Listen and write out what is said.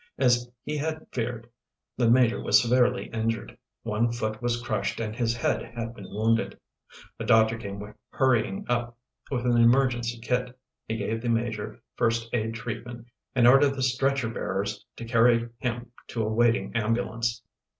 As he had feared, the Major was severely injured. One foot was crushed and his head had been wounded. A doctor came hurrying up with an emergency kit. He gave the Major first aid treatment and ordered stretcher bearers to carry him to a waiting ambulance.